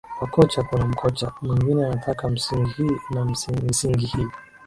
kwa kocha kuna mkocha mwengine anataka misingi hii na misingi hii